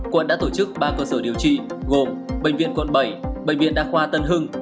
quận đã tổ chức ba cơ sở điều trị gồm bệnh viện quận bảy bệnh viện đa khoa tân hưng